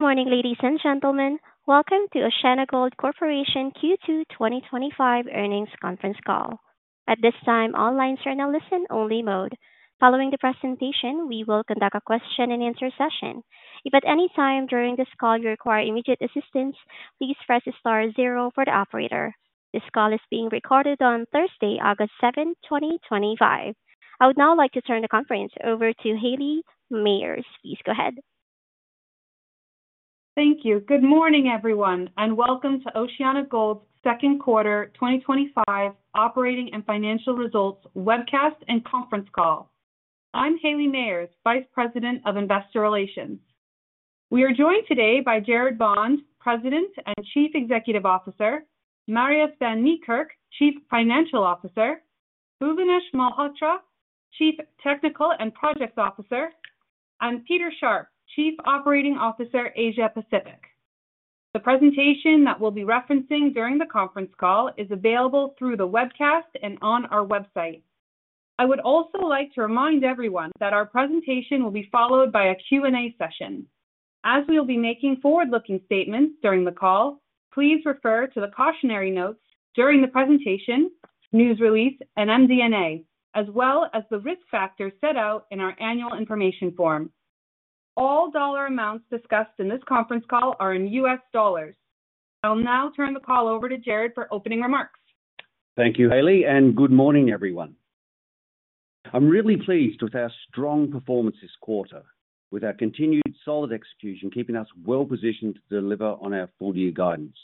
Good morning, ladies and gentlemen. Welcome to OceanaGold Corporation Q2 2025 Earnings Conference Call. At this time, the line is in a listen-only mode. Following the presentation, we will conduct a question-and-answer session. If at any time during this call you require immediate assistance, please press *0 for the operator. This call is being recorded on Thursday, August 7, 2025. I would now like to turn the conference over to Haley Mayers. Please go ahead. Thank you. Good morning, everyone, and welcome to OceanaGold Corporation's Second Quarter 2025 Operating and Financial Results Webcast and Conference Call. I'm Haley Mayers, Vice President of Investor Relations. We are joined today by Gerard Bond, President and Chief Executive Officer, Marius van Niekerk, Chief Financial Officer, Bhuvanesh Malhotra, Chief Technical and Project Officer, and Peter Sharpe, Chief Operating Officer Asia-Pacific. The presentation that we'll be referencing during the conference call is available through the webcast and on our website. I would also like to remind everyone that our presentation will be followed by a Q&A session. As we will be making forward-looking statements during the call, please refer to the cautionary notes during the presentation, news release, and MD&A, as well as the risk factors set out in our annual information form. All dollar amounts discussed in this conference call are in US dollars. I will now turn the call over to Gerard for opening remarks. Thank you, Haley, and good morning, everyone. I'm really pleased with our strong performance this quarter, with our continued solid execution keeping us well positioned to deliver on our full-year guidance.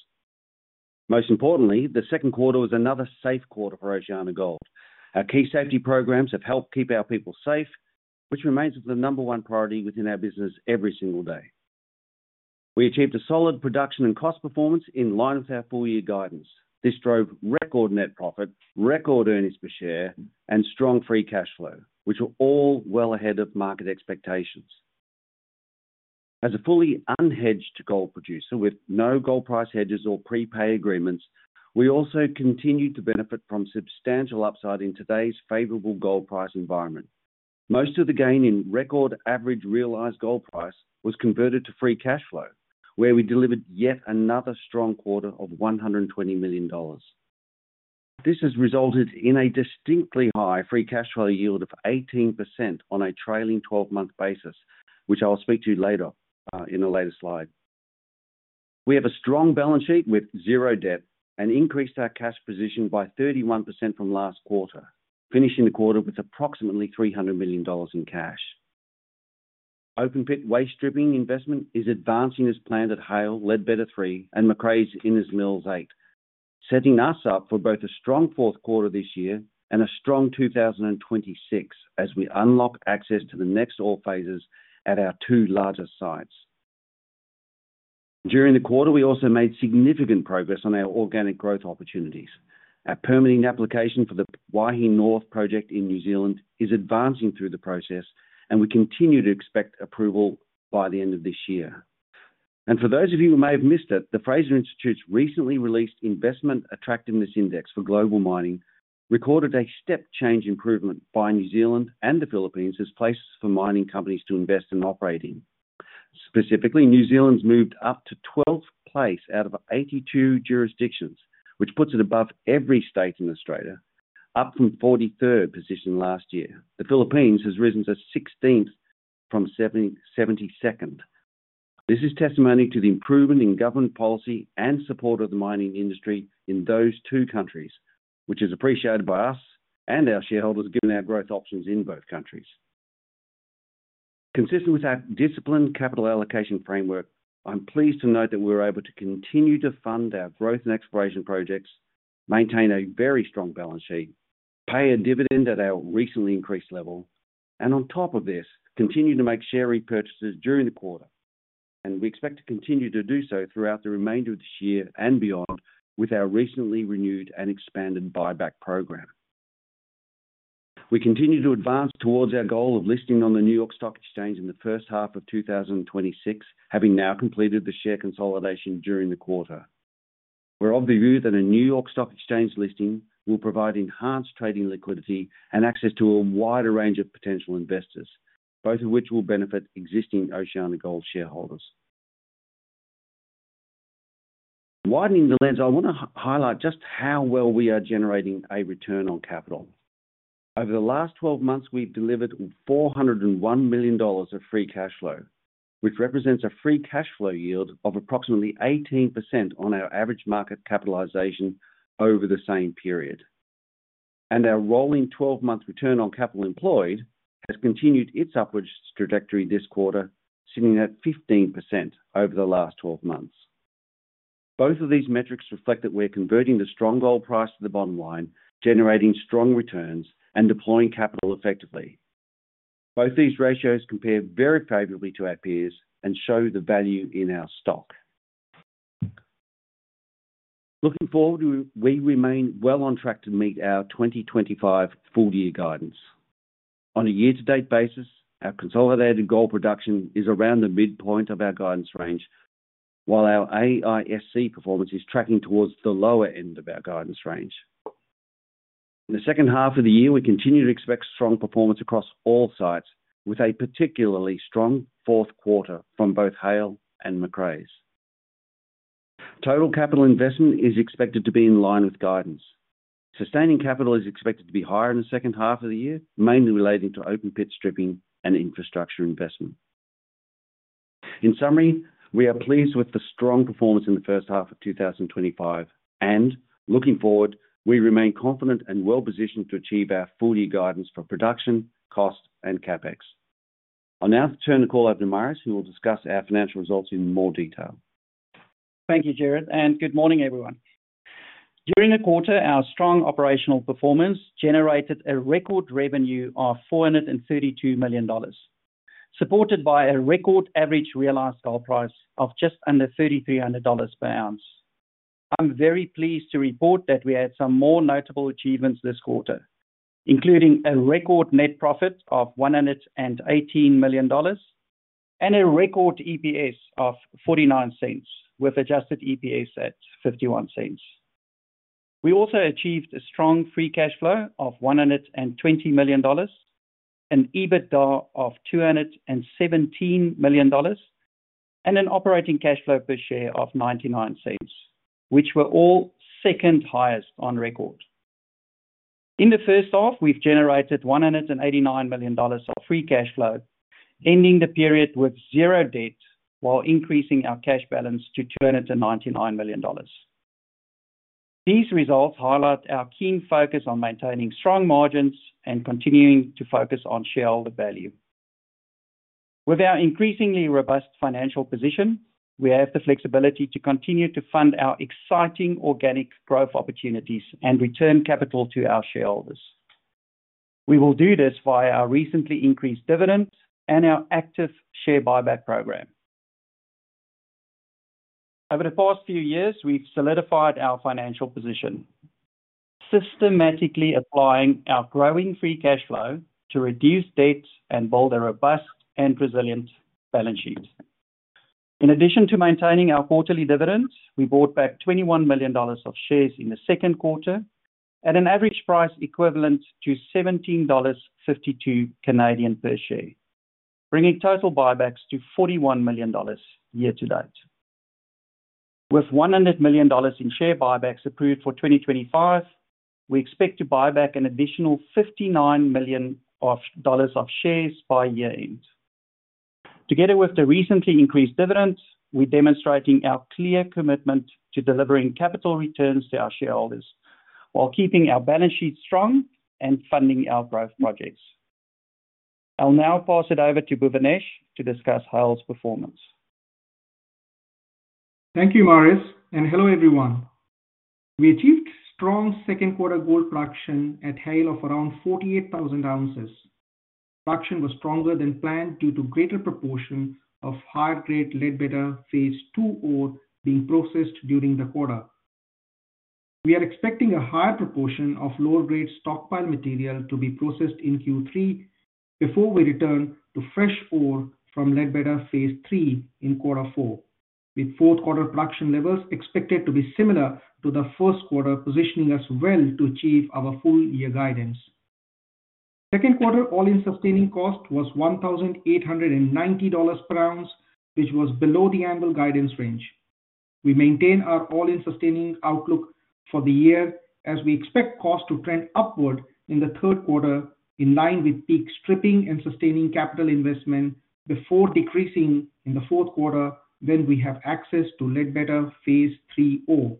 Most importantly, the second quarter was another safe quarter for OceanaGold. Our key safety programs have helped keep our people safe, which remains the number one priority within our business every single day. We achieved a solid production and cost performance in line with our full-year guidance. This drove record net profit, record earnings per share, and strong free cash flow, which were all well ahead of market expectations. As a fully unhedged gold producer with no gold price hedges or prepay agreements, we also continued to benefit from substantial upside in today's favorable gold price environment. Most of the gain in record average realized gold price was converted to free cash flow, where we delivered yet another strong quarter of $120 million. This has resulted in a distinctly high free cash flow yield of 18% on a trailing 12-month basis, which I will speak to later in a later slide. We have a strong balance sheet with zero debt and increased our cash position by 31% from last quarter, finishing the quarter with approximately $300 million in cash. Open pit waste stripping investment is advancing as planned at Haile, Ledbetter Phase 3, and Macraes Innes Mills 8, setting us up for both a strong fourth quarter this year and a strong 2026 as we unlock access to the next ore phases at our two largest sites. During the quarter, we also made significant progress on our organic growth opportunities. Our permitting application for the Waihi North project in New Zealand is advancing through the process, and we continue to expect approval by the end of this year. For those of you who may have missed it, the Fraser Institute's recently released Investment Attractiveness Index for global mining recorded a step-change improvement by New Zealand and the Philippines as places for mining companies to invest and operate in. Specifically, New Zealand's moved up to 12th place out of 82 jurisdictions, which puts it above every state in Australia, up from the 43rd position last year. The Philippines has risen to 16th from 72nd. This is testimony to the improvement in government policy and support of the mining industry in those two countries, which is appreciated by us and our shareholders given our growth options in both countries. Consistent with our disciplined capital allocation framework, I'm pleased to note that we're able to continue to fund our growth and exploration projects, maintain a very strong balance sheet, pay a dividend at our recently increased level, and on top of this, continue to make share repurchases during the quarter. We expect to continue to do so throughout the remainder of this year and beyond with our recently renewed and expanded share buyback program. We continue to advance towards our goal of listing on the NYSE in the first half of 2026, having now completed the share consolidation during the quarter. We're of the view that a NYSE listing will provide enhanced trading liquidity and access to a wider range of potential investors, both of which will benefit existing OceanaGold shareholders. Widening the lens, I want to highlight just how well we are generating a return on capital. Over the last 12 months, we've delivered $401 million of free cash flow, which represents a free cash flow yield of approximately 18% on our average market capitalization over the same period. Our rolling 12-month return on capital employed has continued its upward trajectory this quarter, sitting at 15% over the last 12 months. Both of these metrics reflect that we're converting the strong gold price to the bottom line, generating strong returns, and deploying capital effectively. Both these ratios compare very favorably to our peers and show the value in our stock. Looking forward, we remain well on track to meet our 2025 full-year guidance. On a year-to-date basis, our consolidated gold production is around the midpoint of our guidance range, while our AISC performance is tracking towards the lower end of our guidance range. In the second half of the year, we continue to expect strong performance across all sites, with a particularly strong fourth quarter from both Haile and Macraes. Total capital investment is expected to be in line with guidance. Sustaining capital is expected to be higher in the second half of the year, mainly relating to open pit waste stripping and infrastructure investment. In summary, we are pleased with the strong performance in the first half of 2025, and looking forward, we remain confident and well positioned to achieve our full-year guidance for production, cost, and CapEx. I'll now turn the call over to Marius, who will discuss our financial results in more detail. Thank you, Gerard, and good morning, everyone. During the quarter, our strong operational performance generated a record revenue of $432 million, supported by a record average realized gold price of just under $3,300 per ounce. I'm very pleased to report that we had some more notable achievements this quarter, including a record net profit of $118 million and a record EPS of $0.49, with adjusted EPS at $0.51. We also achieved a strong free cash flow of $120 million, an EBITDA of $217 million, and an operating cash flow per share of $0.99, which were all second highest on record. In the first half, we've generated $189 million of free cash flow, ending the period with zero debt while increasing our cash balance to $299 million. These results highlight our keen focus on maintaining strong margins and continuing to focus on shareholder value. With our increasingly robust financial position, we have the flexibility to continue to fund our exciting organic growth opportunities and return capital to our shareholders. We will do this via our recently increased dividend and our active share buyback program. Over the past few years, we've solidified our financial position, systematically applying our growing free cash flow to reduce debt and build a robust and resilient balance sheet. In addition to maintaining our quarterly dividends, we bought back $21 million of shares in the second quarter at an average price equivalent to $17.52 Canadian per share, bringing total buybacks to $41 million year to date. With $100 million in share buybacks approved for 2025, we expect to buy back an additional $59 million of shares by year-end. Together with the recently increased dividends, we're demonstrating our clear commitment to delivering capital returns to our shareholders while keeping our balance sheet strong and funding our growth projects. I'll now pass it over to Bhuvanesh to discuss Haile's performance. Thank you, Marius, and hello, everyone. We achieved strong second-quarter gold production at Haile of around 48,000 ounces. Production was stronger than planned due to a greater proportion of higher-grade Ledbetter Phase 2 ore being processed during the quarter. We are expecting a higher proportion of lower-grade stockpile material to be processed in Q3 before we return to fresh ore from Ledbetter Phase 3 in quarter 4, with fourth-quarter production levels expected to be similar to the first quarter, positioning us well to achieve our full-year guidance. Second-quarter all-in sustaining cost was $1,890 per ounce, which was below the annual guidance range. We maintain our all-in sustaining outlook for the year as we expect cost to trend upward in the third quarter, in line with peak stripping and sustaining capital investment before decreasing in the fourth quarter when we have access to Ledbetter Phase 3 ore.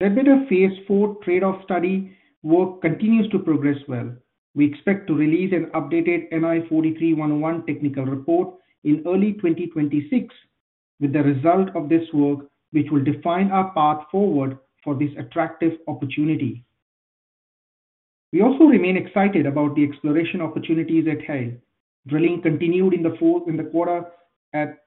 Ledbetter Phase 4 trade-off study work continues to progress well. We expect to release an updated NI 43-101 technical report in early 2026 with the result of this work, which will define our path forward for this attractive opportunity. We also remain excited about the exploration opportunities at Haile. Drilling continued in the quarter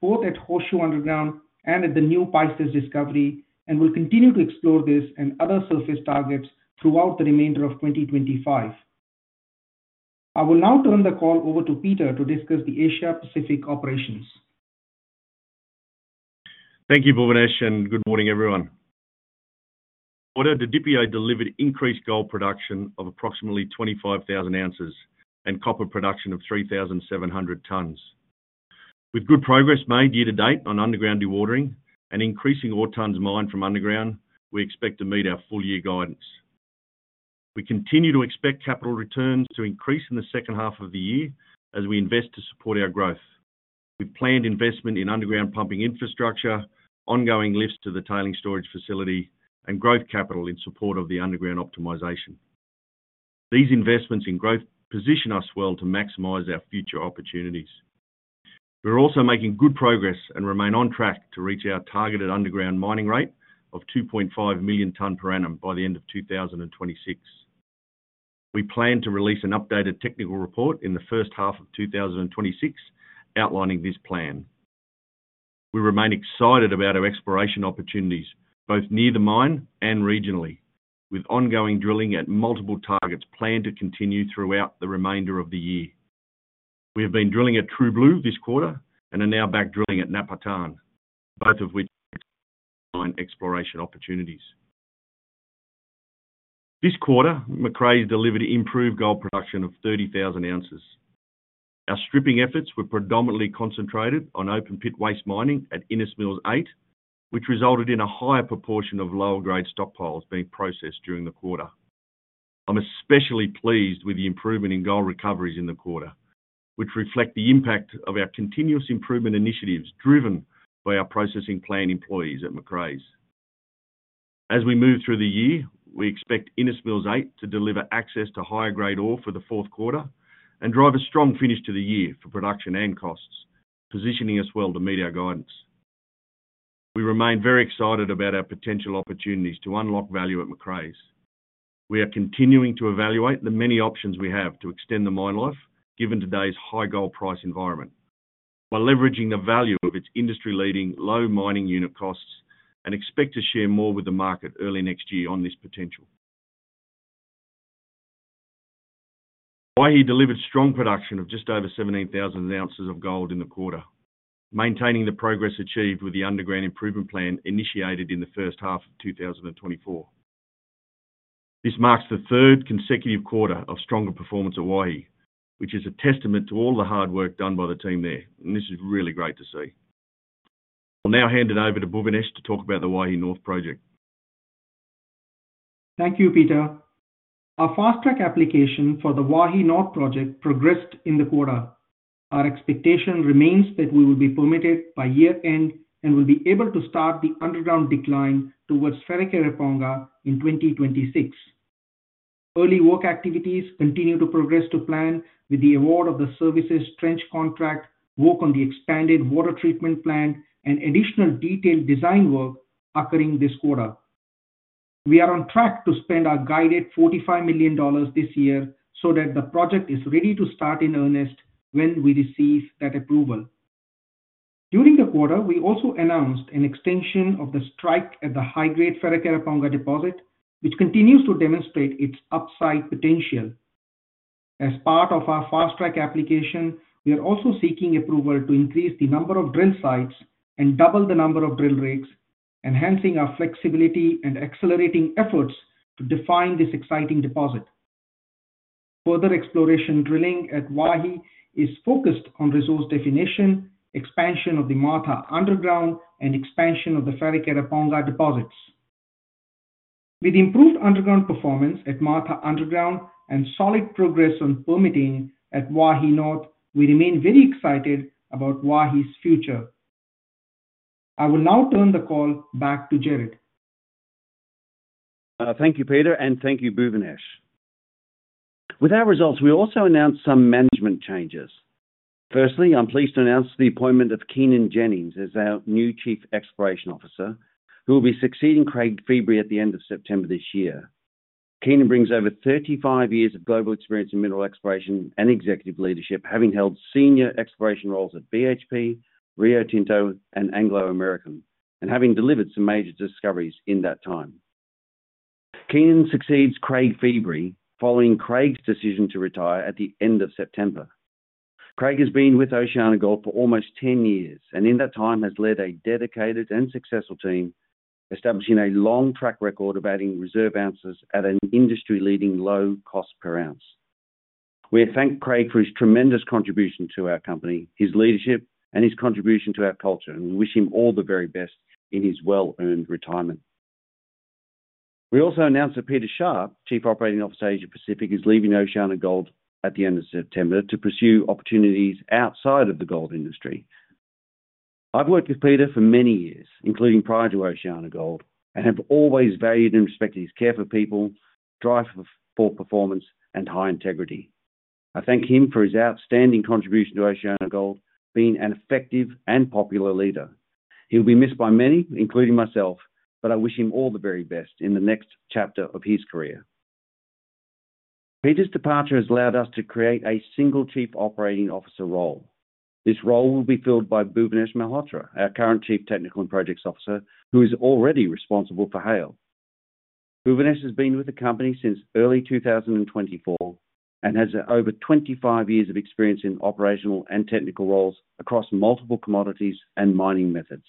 both at Horseshoe Underground and at the new Pisces Discovery, and we'll continue to explore this and other surface targets throughout the remainder of 2025. I will now turn the call over to Peter to discuss the Asia-Pacific operations. Thank you, Bhuvanesh, and good morning, everyone. Quarter the Didipio delivered increased gold production of approximately 25,000 ounces and copper production of 3,700 tons. With good progress made year to date on underground dewatering and increasing ore tons mined from underground, we expect to meet our full-year guidance. We continue to expect capital returns to increase in the second half of the year as we invest to support our growth. We planned investment in underground pumping infrastructure, ongoing lifts to the tailings storage facility, and growth capital in support of the underground optimization. These investments in growth position us well to maximize our future opportunities. We're also making good progress and remain on track to reach our targeted underground mining rate of 2.5 million tonnes per annum by the end of 2026. We plan to release an updated technical report in the first half of 2026 outlining this plan. We remain excited about our exploration opportunities, both near the mine and regionally, with ongoing drilling at multiple targets planned to continue throughout the remainder of the year. We have been drilling at True Blue this quarter and are now back drilling at Napartan, both of which provide exploration opportunities. This quarter, Macraes delivered improved gold production of 30,000 ounces. Our stripping efforts were predominantly concentrated on open pit waste mining at Innes Mills 8, which resulted in a higher proportion of lower-grade stockpiles being processed during the quarter. I'm especially pleased with the improvement in gold recoveries in the quarter, which reflect the impact of our continuous improvement initiatives driven by our processing plant employees at Macraes. As we move through the year, we expect Innes Mills 8 to deliver access to higher-grade ore for the fourth quarter and drive a strong finish to the year for production and costs, positioning us well to meet our guidance. We remain very excited about our potential opportunities to unlock value at Macraes. We are continuing to evaluate the many options we have to extend the mine life, given today's high gold price environment, while leveraging the value of its industry-leading low mining unit costs and expect to share more with the market early next year on this potential. Waihi delivered strong production of just over 17,000 ounces of gold in the quarter, maintaining the progress achieved with the underground improvement plan initiated in the first half of 2024. This marks the third consecutive quarter of stronger performance at Waihi, which is a testament to all the hard work done by the team there, and this is really great to see. I'll now hand it over to Bhuvanesh to talk about the Waihi North project. Thank you, Peter. Our fast track application for the Waihi North project progressed in the quarter. Our expectation remains that we will be permitted by year-end and will be able to start the underground decline towards Wharekirauponga in 2026. Early work activities continue to progress to plan, with the award of the services trench contract work on the expanded water treatment plant and additional detailed design work occurring this quarter. We are on track to spend our guided $45 million this year so that the project is ready to start in earnest when we receive that approval. During the quarter, we also announced an extension of the strike at the high-grade Wharekirauponga deposit, which continues to demonstrate its upside potential. As part of our fast track application, we are also seeking approval to increase the number of drill sites and double the number of drill rigs, enhancing our flexibility and accelerating efforts to define this exciting deposit. Further exploration drilling at Waihi is focused on resource definition, expansion of the Martha Underground, and expansion of the Wharekirauponga deposits. With improved underground performance at Martha Underground and solid progress on permitting at Waihi North, we remain very excited about Waihi's future. I will now turn the call back to Gerard. Thank you, Peter, and thank you, Bhuvanesh. With our results, we also announced some management changes. Firstly, I'm pleased to announce the appointment of Keenan Jennings as our new Chief Exploration Officer, who will be succeeding Craig Feebrey at the end of September this year. Keenan brings over 35 years of global experience in mineral exploration and executive leadership, having held senior exploration roles at BHP, Rio Tinto, and Anglo American, and having delivered some major discoveries in that time. Keenan succeeds Craig Feebrey following Craig's decision to retire at the end of September. Craig has been with OceanaGold for almost 10 years and in that time has led a dedicated and successful team, establishing a long track record of adding reserve ounces at an industry-leading low cost per ounce. We thank Craig for his tremendous contribution to our company, his leadership, and his contribution to our culture, and wish him all the very best in his well-earned retirement. We also announced that Peter Sharpe, Chief Operating Officer Asia-Pacific, is leaving OceanaGold at the end of September to pursue opportunities outside of the gold industry. I've worked with Peter for many years, including prior to OceanaGold, and have always valued and respected his care for people, drive for performance, and high integrity. I thank him for his outstanding contribution to OceanaGold, being an effective and popular leader. He'll be missed by many, including myself, but I wish him all the very best in the next chapter of his career. Peter's departure has allowed us to create a single Chief Operating Officer role. This role will be filled by Bhuvanesh Malhotra, our current Chief Technical and Projects Officer, who is already responsible for Haile. Bhuvanesh has been with the company since early 2024 and has over 25 years of experience in operational and technical roles across multiple commodities and mining methods.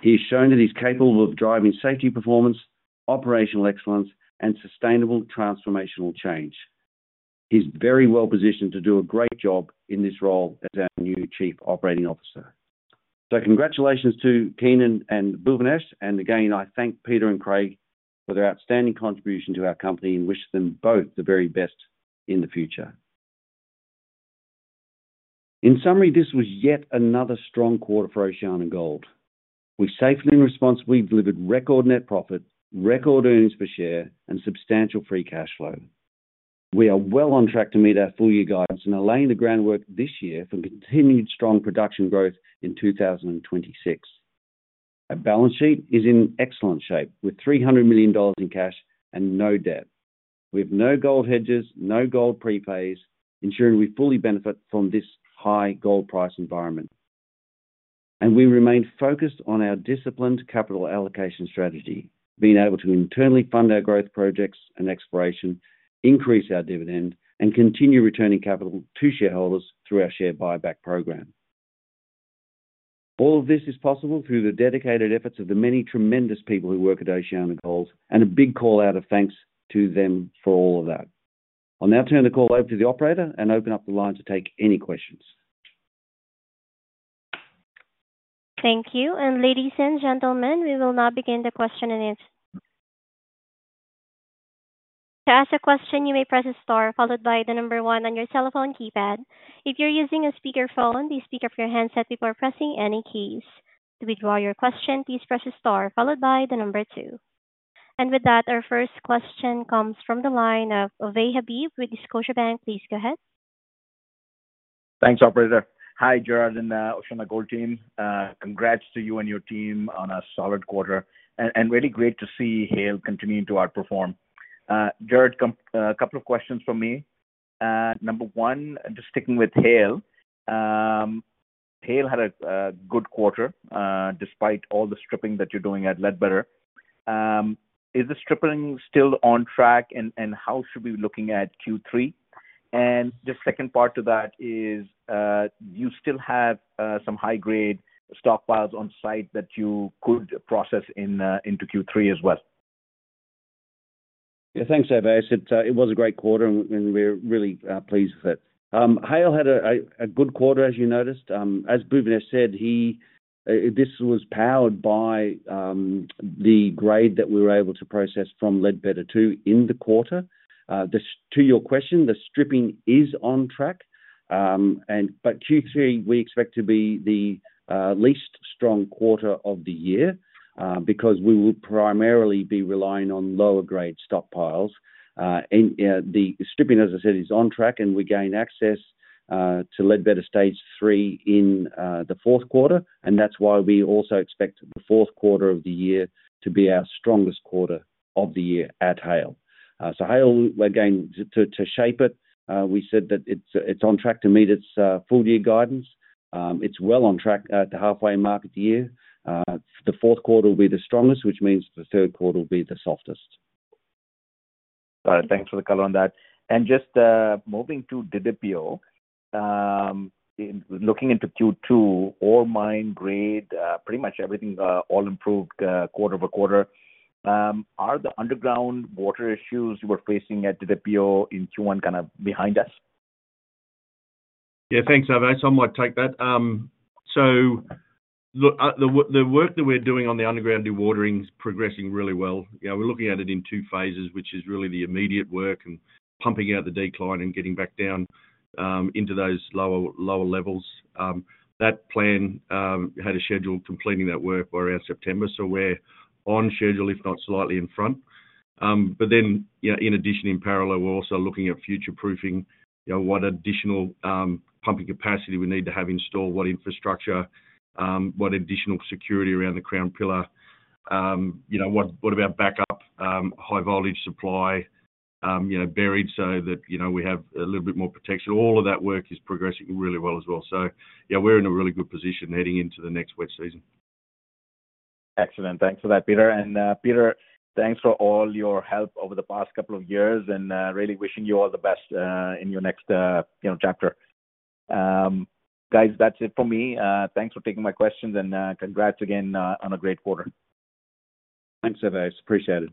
He has shown that he's capable of driving safety performance, operational excellence, and sustainable transformational change. He's very well positioned to do a great job in this role as our new Chief Operating Officer. Congratulations to Keenan and Bhuvanesh, and again, I thank Peter and Craig for their outstanding contribution to our company and wish them both the very best in the future. In summary, this was yet another strong quarter for OceanaGold. We safely and responsibly delivered record net profit, record earnings per share, and substantial free cash flow. We are well on track to meet our full-year guidance and are laying the groundwork this year for continued strong production growth in 2026. Our balance sheet is in excellent shape with $300 million in cash and no debt. We have no gold hedges, no gold prepays, ensuring we fully benefit from this high gold price environment. We remain focused on our disciplined capital allocation strategy, being able to internally fund our growth projects and exploration, increase our dividend, and continue returning capital to shareholders through our share buyback program. All of this is possible through the dedicated efforts of the many tremendous people who work at OceanaGold, and a big call out of thanks to them for all of that. I'll now turn the call over to the operator and open up the line to take any questions. Thank you, ladies and gentlemen, we will now begin the question and answer. To ask a question, you may press star followed by the number one on your telephone keypad. If you're using a speaker phone, please pick up your handset before pressing any keys. To withdraw your question, please press star followed by the number two. Our first question comes from the line of Ovais Habib with National Bank Financial. Please go ahead. Thanks, operator. Hi, Gerard and OceanaGold team. Congrats to you and your team on a solid quarter, and really great to see Haile continue to outperform. Gerard, a couple of questions from me. Number one, just sticking with Haile. Haile had a good quarter despite all the stripping that you're doing at Ledbetter. Is the stripping still on track, and how should we be looking at Q3? The second part to that is, do you still have some high-grade stockpiles on site that you could process into Q3 as well? Yeah, thanks, Ovais. It was a great quarter, and we're really pleased with it. Haile had a good quarter, as you noticed. As Bhuvanesh said, this was powered by the grade that we were able to process from Ledbetter Phase 2 in the quarter. To your question, the stripping is on track. Q3 we expect to be the least strong quarter of the year because we will primarily be relying on lower-grade stockpiles. The stripping, as I said, is on track, and we gain access to Ledbetter Phase 3 in the fourth quarter, and that's why we also expect the fourth quarter of the year to be our strongest quarter of the year at Haile. Haile, again, to shape it, we said that it's on track to meet its full-year guidance. It's well on track at the halfway mark of the year. The fourth quarter will be the strongest, which means the third quarter will be the softest. Got it. Thanks for the call on that. Just moving to Didipio, looking into Q2, ore mine grade, pretty much everything all improved quarter over quarter. Are the underground water issues we're facing at Didipio in Q1 kind of behind us? Yeah, thanks, Ovais. I'll take that. The work that we're doing on the underground dewatering is progressing really well. We're looking at it in two phases, which is really the immediate work and pumping out the decline and getting back down into those lower levels. That plan had a schedule completing that work by around September, so we're on schedule, if not slightly in front. In addition, in parallel, we're also looking at future proofing, you know, what additional pumping capacity we need to have installed, what infrastructure, what additional security around the crown pillar, you know, what about backup, high-voltage supply, you know, buried so that, you know, we have a little bit more protection. All of that work is progressing really well as well. We're in a really good position heading into the next wet season. Excellent. Thanks for that, Peter. Peter, thanks for all your help over the past couple of years, and really wishing you all the best in your next chapter. Guys, that's it for me. Thanks for taking my questions, and congrats again on a great quarter. Thanks, Ovais. Appreciate it.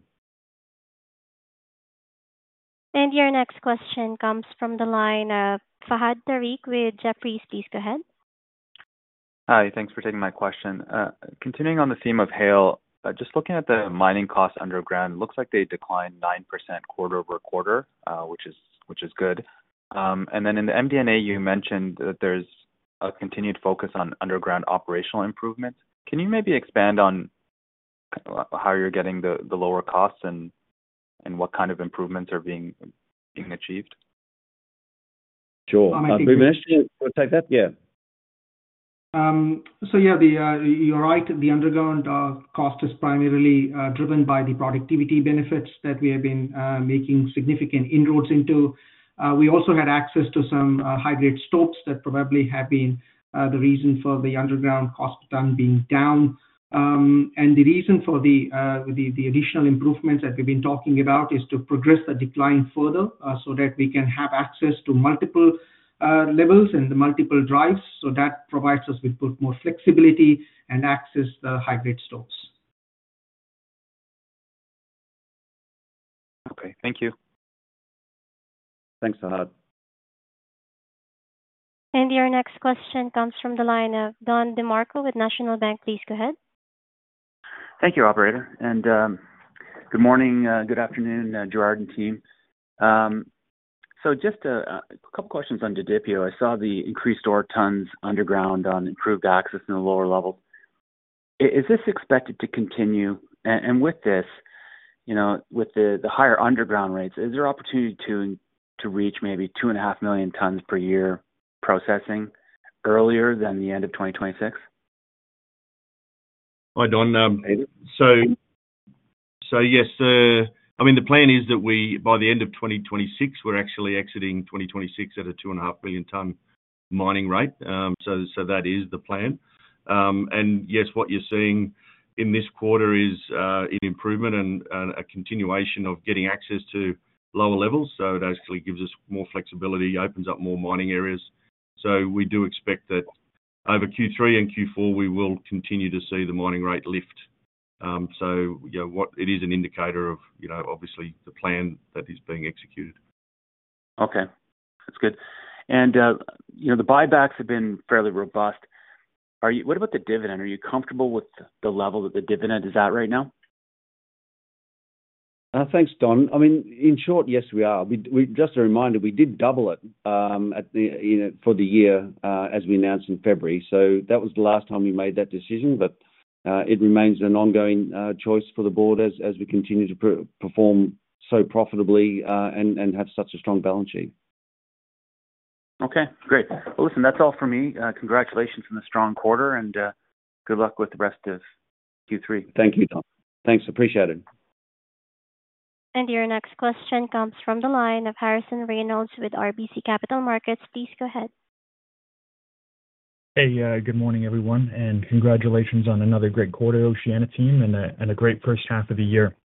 Your next question comes from the line of Fahad Tariq with Jefferies LLC. Go ahead. Hi, thanks for taking my question. Continuing on the theme of Haile, just looking at the mining costs underground, it looks like they declined 9% quarter over quarter, which is good. In the MD&A, you mentioned that there's a continued focus on underground operational improvement. Can you maybe expand on how you're getting the lower costs and what kind of improvements are being achieved? Sure. You're right. The underground cost is primarily driven by the productivity benefits that we have been making significant inroads into. We also had access to some high-grade stopes that probably have been the reason for the underground cost being down. The reason for the additional improvements that we've been talking about is to progress the decline further so that we can have access to multiple levels and the multiple drives. That provides us with both more flexibility and access to the high-grade stopes. Okay, thank you. Thanks, Fahad. Your next question comes from the line of Don DeMarco with National Bank Financial. Please go ahead. Thank you, operator. Good morning, good afternoon, Gerard and team. Just a couple of questions on Didipio. I saw the increased ore tons underground on improved access in the lower level. Is this expected to continue? With the higher underground rates, is there opportunity to reach maybe 2.5 million tons per year processing earlier than the end of 2026? Hi, Don. Yes, the plan is that we, by the end of 2026, we're actually exiting 2026 at a 2.5 million ton mining rate. That is the plan. What you're seeing in this quarter is an improvement and a continuation of getting access to lower levels. It actually gives us more flexibility and opens up more mining areas. We do expect that over Q3 and Q4, we will continue to see the mining rate lift. It is an indicator of the plan that is being executed. Okay, that's good. You know, the buybacks have been fairly robust. What about the dividend? Are you comfortable with the level that the dividend is at right now? Thanks, Don. I mean, in short, yes, we are. Just a reminder, we did double it for the year as we announced in February. That was the last time we made that decision, but it remains an ongoing choice for the Board as we continue to perform so profitably and have such a strong balance sheet. Okay, great. Listen, that's all for me. Congratulations on the strong quarter and good luck with the rest of Q3. Thank you, Don. Thanks, appreciate it. Your next question comes from the line of Harrison Reynolds with RBC Capital Markets. Please go ahead. Hey, good morning, everyone, and congratulations on another great quarter, OceanaGold team, and a great first half of the year.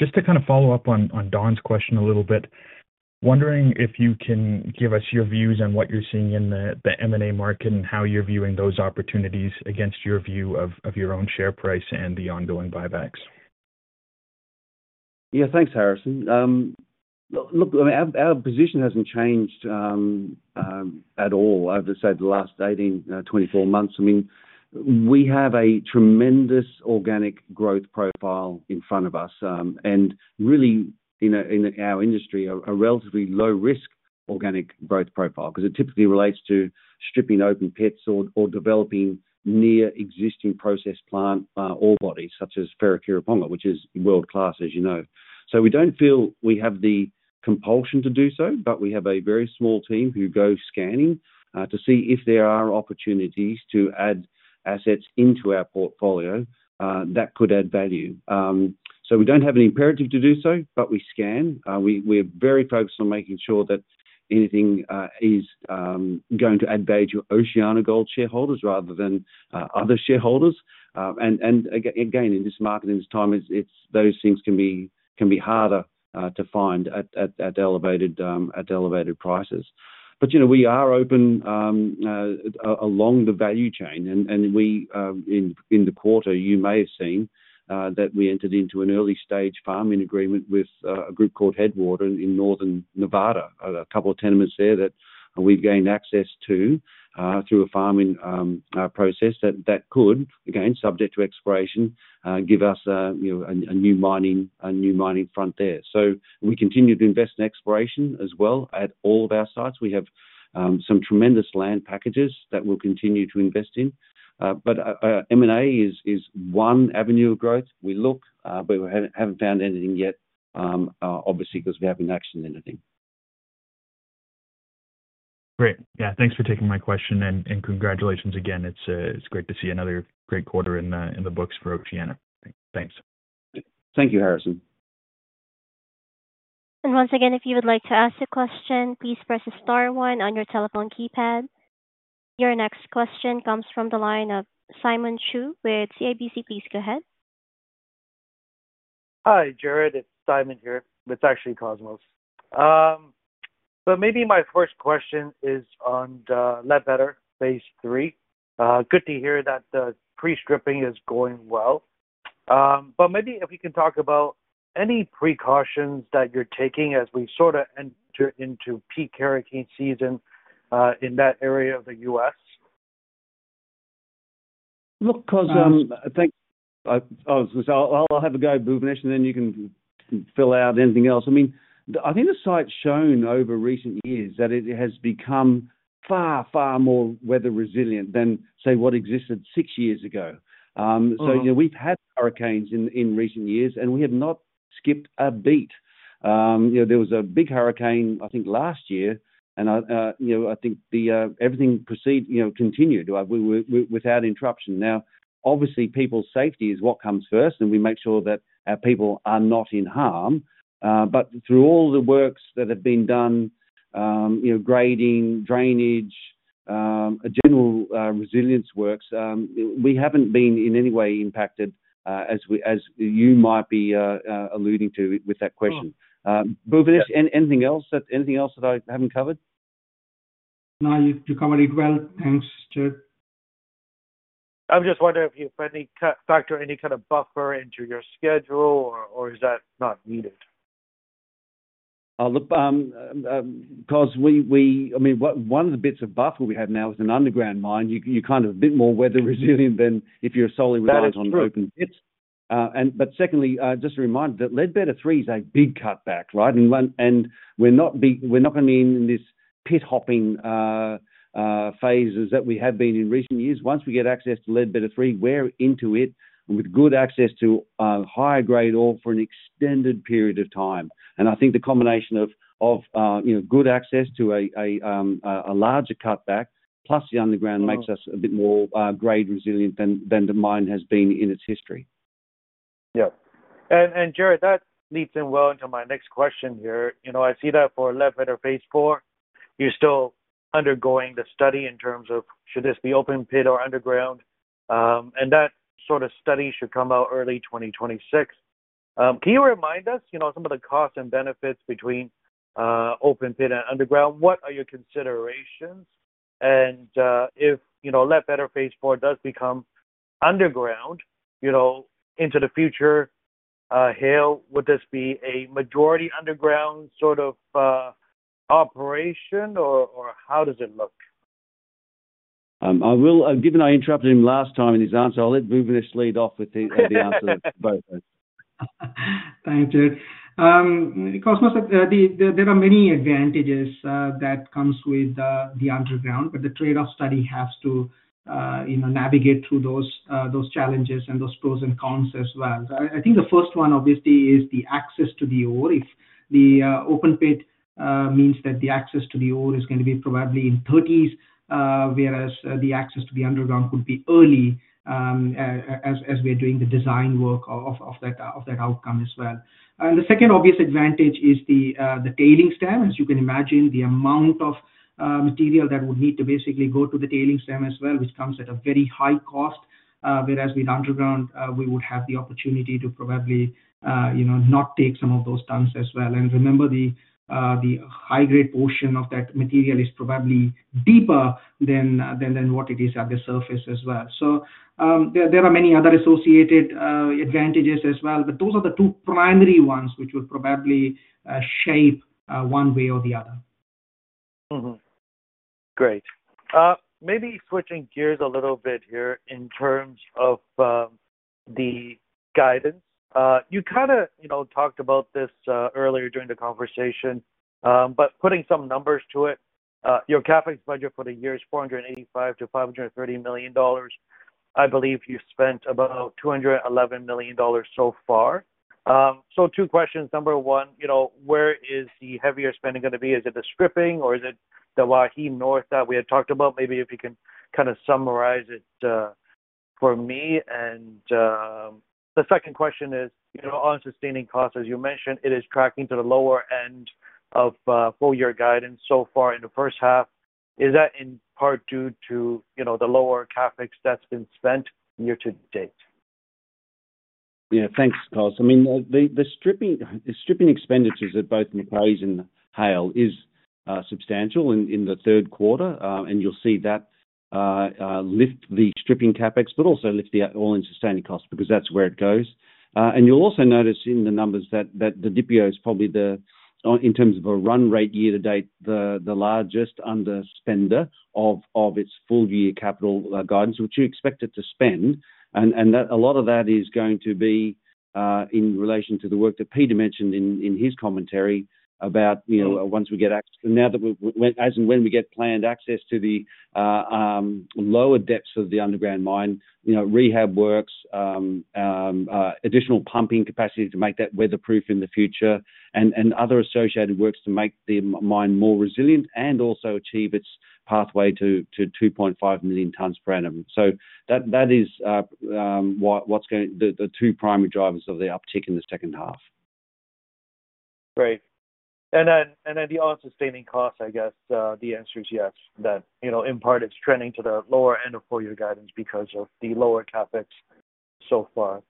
Just to follow up on Don's question a little bit, wondering if you can give us your views on what you're seeing in the M&A market and how you're viewing those opportunities against your view of your own share price and the ongoing buybacks. Yeah, thanks, Harrison. Look, I mean, our position hasn't changed at all over the last 18-24 months. We have a tremendous organic growth profile in front of us and really, in our industry, a relatively low-risk organic growth profile because it typically relates to stripping open pits or developing near existing process plant ore bodies such as Wharekirauponga, which is world-class, as you know. We don't feel we have the compulsion to do so, but we have a very small team who go scanning to see if there are opportunities to add assets into our portfolio that could add value. We don't have an imperative to do so, but we scan. We're very focused on making sure that anything is going to add value to OceanaGold shareholders rather than other shareholders. In this market, in this time, those things can be harder to find at elevated prices. You know, we are open along the value chain. In the quarter, you may have seen that we entered into an early-stage farm-in agreement with a group called Headwater in Northern Nevada, a couple of tenements there that we've gained access to through a farm-in process that could, again, subject to exploration, give us a new mining front there. We continue to invest in exploration as well at all of our sites. We have some tremendous land packages that we'll continue to invest in. M&A is one avenue of growth. We look, but we haven't found anything yet, obviously, because we haven't actioned anything. Great. Yeah, thanks for taking my question and congratulations again. It's great to see another great quarter in the books for OceanaGold. Thanks. Thank you, Harrison. If you would like to ask a question, please press star one on your telephone keypad. Your next question comes from the line of Simon Chu with CIBC Capital Markets. Go ahead. Hi, Gerard. It's Simon here. It's actually Cosmos. Maybe my first question is on Ledbetter Phase 3. Good to hear that the pre-stripping is going well. If we can talk about any precautions that you're taking as we sort of enter into peak hurricane season in that area of the U.S. Look, I was going to say I'll have a go at Bhuvanesh and then you can fill out anything else. I think the site's shown over recent years that it has become far, far more weather resilient than, say, what existed six years ago. We've had hurricanes in recent years and we have not skipped a beat. There was a big hurricane, I think, last year, and I think everything continued without interruption. Obviously, people's safety is what comes first and we make sure that our people are not in harm. Through all the works that have been done, grading, drainage, general resilience works, we haven't been in any way impacted as you might be alluding to with that question. Bhuvanesh, anything else that I haven't covered? No, you covered it well. Thanks, Gerard. I'm just wondering if you have any factor, any kind of buffer into your schedule, or is that not needed? Look, I mean, one of the bits of buffer we have now is an underground mine. You're kind of a bit more weather resilient than if you're solely reliant on open pits. Secondly, just a reminder that Ledbetter Phase 3 is a big cutback, right? We're not going to be in this pit hopping phase that we have been in recent years. Once we get access to Ledbetter Phase 3, we're into it with good access to high-grade ore for an extended period of time. I think the combination of good access to a larger cutback plus the underground makes us a bit more grade resilient than the mine has been in its history. Yeah. Gerard, that leads in well into my next question here. I see that for Ledbetter Phase 4, you're still undergoing the study in terms of should this be open pit or underground. That sort of study should come out early 2026. Can you remind us, some of the costs and benefits between open pit and underground? What are your considerations? If Ledbetter Phase 4 does become underground, into the future, Haile, would this be a majority underground sort of operation or how does it look? Given I interrupted him last time in his answer, I'll let Bhuvanesh lead off with the answer. Thanks, Gerard. Cosmos, there are many advantages that come with the underground, but the trade-off study has to navigate through those challenges and those pros and cons as well. I think the first one, obviously, is the access to the ore. If the open pit means that the access to the ore is going to be probably in 30s, whereas the access to the underground could be early as we're doing the design work of that outcome as well. The second obvious advantage is the tailings dam. As you can imagine, the amount of material that would need to basically go to the tailings dam as well, which comes at a very high cost, whereas with underground, we would have the opportunity to probably not take some of those tons as well. Remember, the high-grade portion of that material is probably deeper than what it is at the surface as well. There are many other associated advantages as well, but those are the two primary ones which would probably shape one way or the other. Great. Maybe switching gears a little bit here in terms of the guidance. You kind of talked about this earlier during the conversation, but putting some numbers to it, your CapEx budget for the year is $485 million to $530 million. I believe you spent about $211 million so far. Two questions. Number one, you know, where is the heavier spending going to be? Is it the stripping or is it the Waihi North that we had talked about? Maybe if you can kind of summarize it for me. The second question is, you know, on sustaining costs, as you mentioned, it is tracking to the lower end of full-year guidance so far in the first half. Is that in part due to, you know, the lower CapEx that's been spent year to date? Yeah, thanks, Cos. I mean, the stripping expenditures at both Macraes and Haile is substantial in the third quarter, and you'll see that lift the stripping CapEx, but also lift the all-in sustaining costs because that's where it goes. You'll also notice in the numbers that the Didipio is probably the, in terms of a run rate year to date, the largest underspender of its full-year capital guidance, which you expect it to spend. A lot of that is going to be in relation to the work that Peter mentioned in his commentary about, you know, once we get access, as in when we get planned access to the lower depths of the underground mine, rehab works, additional pumping capacity to make that weatherproof in the future, and other associated works to make the mine more resilient and also achieve its pathway to 2.5 million tons per annum. That is what's going to be the two primary drivers of the uptick in the second half. Great. The on-sustaining costs, I guess the answer is yes, that, you know, in part it's trending to the lower end of full-year guidance because of the lower CapEx so far.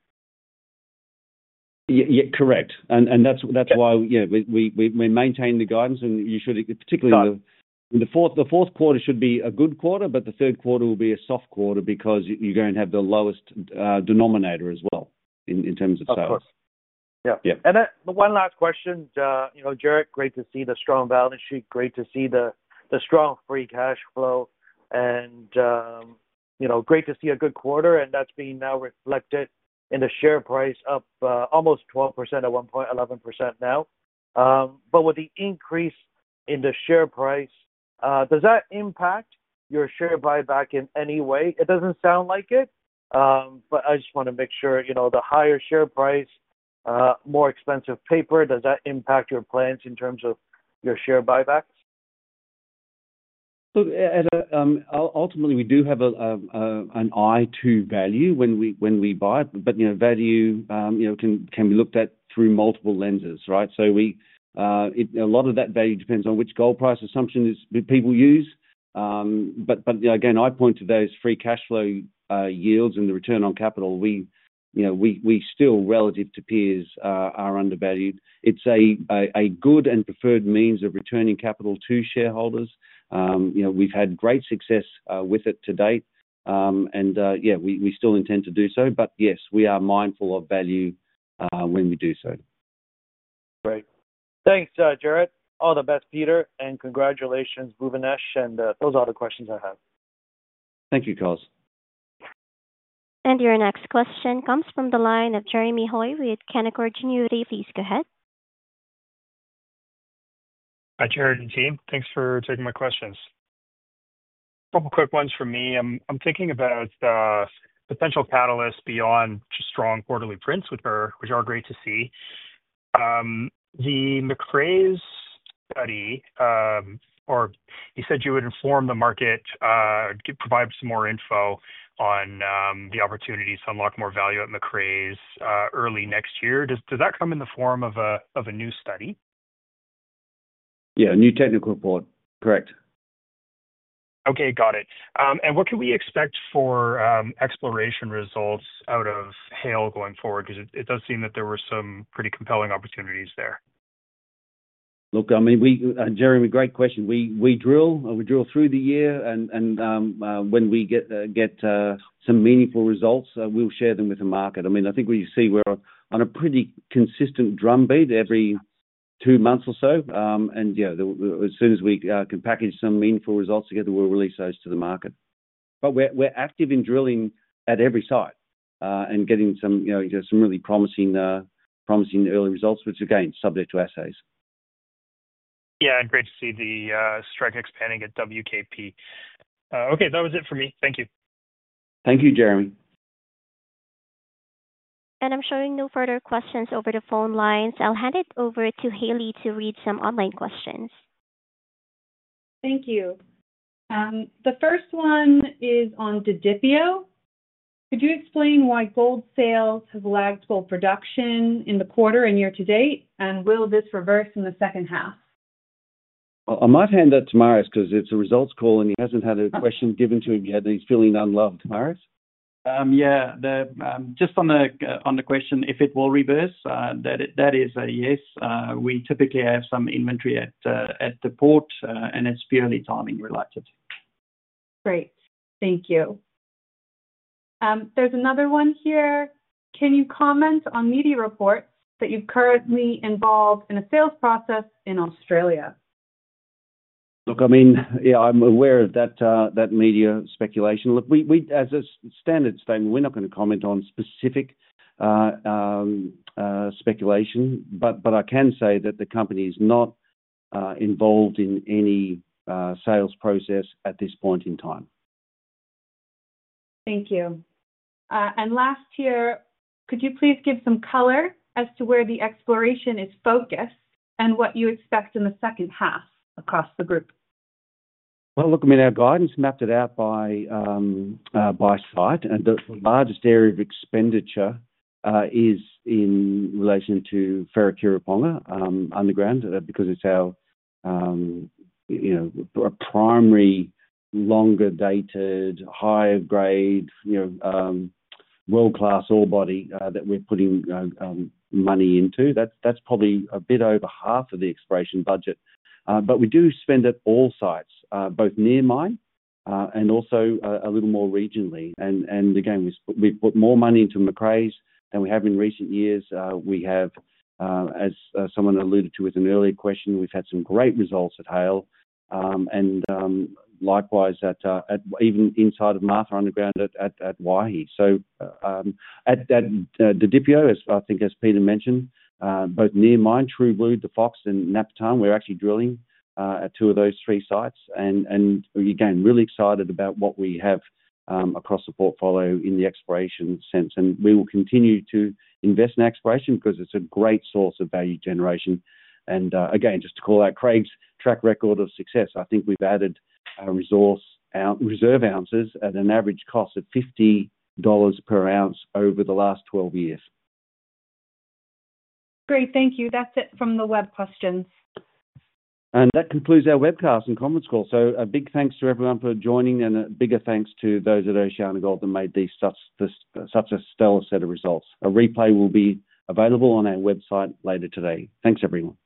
Yeah, correct. That's why, you know, we maintain the guidance and you should, particularly in the fourth quarter, should be a good quarter. The third quarter will be a soft quarter because you're going to have the lowest denominator as well in terms of sales. Yeah. One last question, you know, Gerard, great to see the strong balance sheet, great to see the strong free cash flow, and you know, great to see a good quarter, and that's being now reflected in the share price up almost 12% at $1.11 now. With the increase in the share price, does that impact your share buyback in any way? It doesn't sound like it, but I just want to make sure, you know, the higher share price, more expensive paper, does that impact your plans in terms of your share buybacks? Look, ultimately, we do have an eye to value when we buy, but you know, value can be looked at through multiple lenses, right? A lot of that value depends on which gold price assumption people use. Again, I point to those free cash flow yields and the return on capital. We still, relative to peers, are undervalued. It's a good and preferred means of returning capital to shareholders. We've had great success with it to date, and yeah, we still intend to do so, but yes, we are mindful of value when we do so. Great. Thanks, Gerard. All the best, Peter, and congratulations, Bhuvanesh, and those are all the questions I have. Thank you, Cos. Your next question comes from the line of Jeremy Hoy with Canaccord Genuity Corp. Please go ahead. Hi, Gerard and team. Thanks for taking my questions. A couple of quick ones from me. I'm thinking about potential catalysts beyond just strong quarterly prints, which are great to see. The Macraes study, or you said you would inform the market, provide some more info on the opportunities to unlock more value at Macraes early next year. Does that come in the form of a new study? Yeah, a new technical report. Correct. Okay, got it. What can we expect for exploration results out of Haile going forward? It does seem that there were some pretty compelling opportunities there. Look, I mean, Jeremy, great question. We drill, we drill through the year, and when we get some meaningful results, we'll share them with the market. I mean, I think what you see, we're on a pretty consistent drumbeat every two months or so. As soon as we can package some meaningful results together, we'll release those to the market. We're active in drilling at every site and getting some really promising early results, which again, subject to assays. Yeah, great to see the strike expanding at WKP. Okay, that was it for me. Thank you. Thank you, Jeremy. I'm showing no further questions over the phone lines. I'll hand it over to Haley to read some online questions. Thank you. The first one is on Didipio. Could you explain why gold sales have lagged full production in the quarter and year to date, and will this reverse in the second half? I might hand that to Marius because it's a results call and he hasn't had a question given to him yet and he's feeling unloved, Marius. Yeah, just on the question if it will reverse, that is a yes. We typically have some inventory at the port, and it's purely timing related. Great, thank you. There's another one here. Can you comment on media reports that you're currently involved in a sales process in Australia? Look, I mean, yeah, I'm aware of that media speculation. As a standard statement, we're not going to comment on specific speculation, but I can say that the company is not involved in any sales process at this point in time. Thank you. Last, here, could you please give some color as to where the exploration is focused and what you expect in the second half across the group? I mean, our guidance mapped it out by site and the largest area of expenditure is in relation to Wharekirauponga underground because it's our primary longer-dated, higher-grade world-class ore body that we're putting money into. That's probably a bit over half of the exploration budget. We do spend at all sites, both near mine and also a little more regionally. We put more money into Macraes than we have in recent years. As someone alluded to with an earlier question, we've had some great results at Haile and likewise even inside of Martha Underground at Waihi. At Didipio, I think as Peter mentioned, both Near Mine, True Blue, [DeFox], and Napartan, we're actually drilling at two of those three sites. Really excited about what we have across the portfolio in the exploration sense. We will continue to invest in exploration because it's a great source of value generation. Just to call out Craig's track record of success, I think we've added reserve ounces at an average cost of $50 per ounce over the last 12 years. Great, thank you. That's it from the web questions. That concludes our webcast and conference call. A big thanks to everyone for joining and a bigger thanks to those at OceanaGold that made this such a stellar set of results. A replay will be available on our website later today. Thanks, everyone.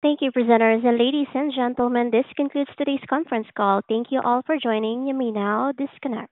Thank you, presenters. Ladies and gentlemen, this concludes today's conference call. Thank you all for joining. You may now disconnect.